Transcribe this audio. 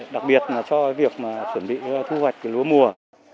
đặc biệt là cho việc chuẩn bị cho thu hoạch lúa mùa